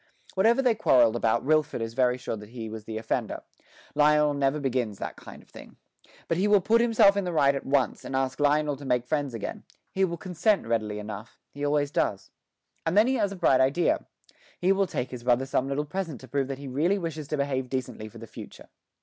Whatever they quarrelled about Wilfred is very sure that he was the offender; Lionel never begins that kind of thing. But he will put himself in the right at once, and ask Lionel to make friends again; he will consent readily enough he always does. And then he has a bright idea: he will take his brother some little present to prove that he really wishes to behave decently for the future.